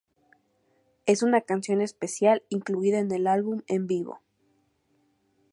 Es un canción especial, incluida en el álbum en vivo.